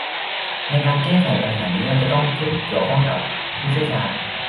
ในการแก้ไขปัญหานี้เราจะต้องเกี่ยวข้องกับผู้เชี่ยวชาญ